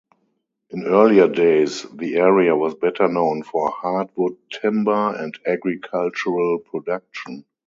In earlier days the area was better known for hardwood timber and agricultural production.